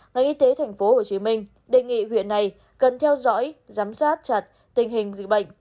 ngành y tế tp hcm đề nghị huyện này cần theo dõi giám sát chặt tình hình dịch bệnh